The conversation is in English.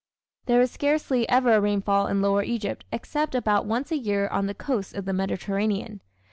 There is scarcely ever a rainfall in lower Egypt except about once a year on the coast of the Mediterranean.